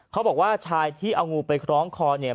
เขาบอกว่าชายที่เอางูไปคล้องคอเนี่ย